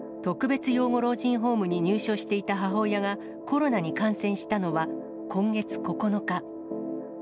特別養護老人ホームに入所していた母親が、コロナに感染したのは今月９日。